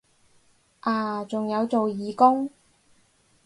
啊仲有做義工